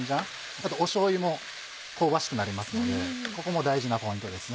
あとしょうゆも香ばしくなりますのでここも大事なポイントです。